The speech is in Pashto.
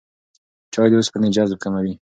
چای د اوسپنې جذب کموي.